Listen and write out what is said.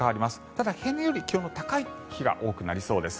ただ平年より気温の高い日が多くなりそうです。